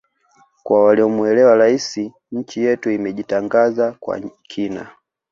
Kwa waliomuelewa Rais nchi yetu imejitangaza kwa kina